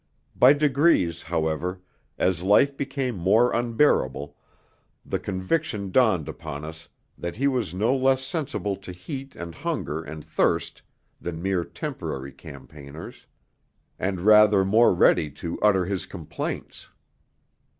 By degrees, however, as life became more unbearable, the conviction dawned upon us that he was no less sensible to heat and hunger and thirst than mere 'temporary' campaigners, and rather more ready to utter his complaints.